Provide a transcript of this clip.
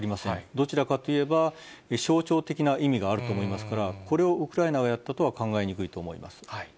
どちらかといえば、象徴的な意味があると思いますから、これをウクライナがやったとは考えにくいと思います。